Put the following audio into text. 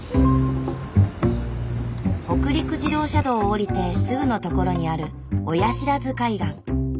北陸自動車道を降りてすぐのところにある親不知海岸。